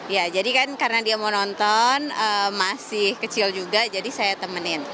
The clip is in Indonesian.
ya jadi kan karena dia mau nonton masih kecil juga jadi saya temenin